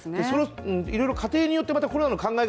いろいろ家庭によって、コロナの考え方